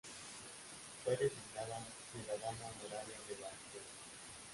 Fue designada ciudadana honoraria de Valjevo.